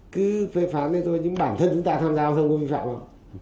cứ phê phán lên thôi những bản thân chúng ta tham gia giao thông không phê phán đâu